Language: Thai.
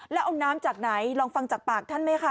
แล้วเอาน้ำจากไหนลองฟังจากปากท่านไหมคะ